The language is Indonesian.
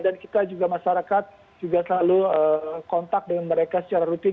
dan kita juga masyarakat juga selalu kontak dengan mereka secara rutin